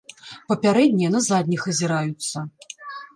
Папярэднія на задніх азіраюцца.